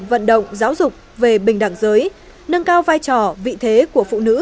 vận động giáo dục về bình đẳng giới nâng cao vai trò vị thế của phụ nữ